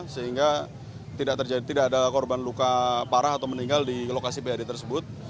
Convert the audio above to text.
sehingga tidak ada korban luka parah atau meninggal di lokasi pad tersebut